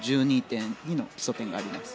１２．２の基礎点があります。